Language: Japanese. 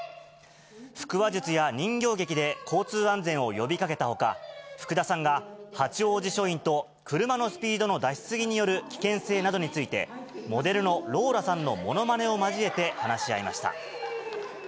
腹話術や人形劇で交通安全を呼びかけたほか、福田さんが八王子署員と車のスピードの出し過ぎによる危険性などについて、モデルのローラさんのものまねを交えて、話し合いました。